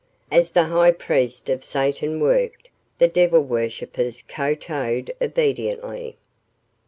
As the high priest of Satan worked, the devil worshippers kowtowed obediently.